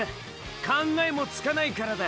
考えもつかないからだ。